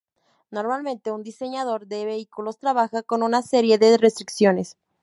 Normalmente, un diseñador de vehículos trabaja con una serie de restricciones.